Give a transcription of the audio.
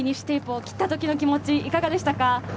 テープを切ったときの気持ち、いかがでしたか？